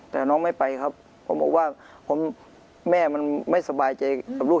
แต่น้องไม่ไปครับผมบอกว่าแม่มันไม่สบายใจกับลูก